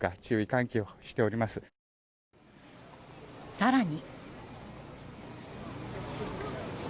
更に。